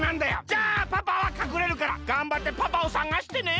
じゃあパパはかくれるからがんばってパパを探してね！